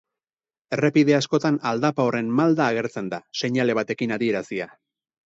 Errepide askotan aldapa horren malda agertzen da, seinale batekin adierazia.